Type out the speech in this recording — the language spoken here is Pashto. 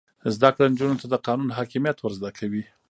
زده کړه نجونو ته د قانون حاکمیت ور زده کوي.